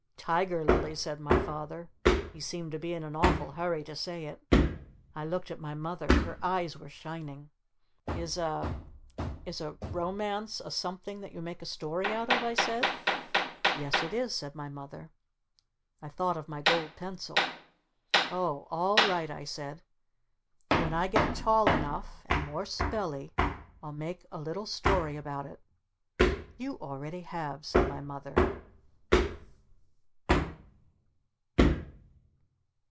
"Tiger Lily's," said my Father. He seemed to be in an awful hurry to say it. I looked at my Mother. Her eyes were shining. "Is a Is a 'Romance' a something that you make a story out of?" I said. "Yes it is," said my Mother. I thought of my gold pencil. "Oh, all right," I said, "when I get tall enough and more spelly I'll make a little story about it." "You already have!" said my Mother.